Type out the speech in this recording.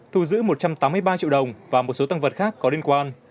thu giữ một trăm tám mươi ba triệu đồng và một số tăng vật khác có liên quan